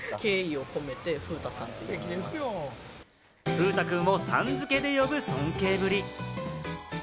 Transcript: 風太くんを「さん付け」で呼ぶ尊敬ぶり。